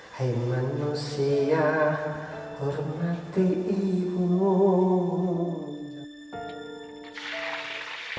hai manusia hormati ibu